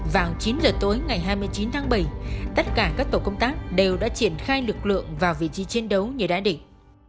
vào chín giờ tối ngày hai mươi chín tháng bảy tất cả các tổ công tác đều đã triển khai lực lượng vào vị trí chiến đấu như đã định